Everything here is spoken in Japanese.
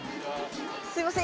すいません